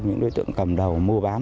những đối tượng cầm đầu mua bán